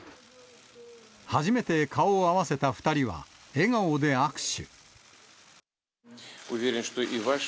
初めて顔を合わせた２人は、笑顔で握手。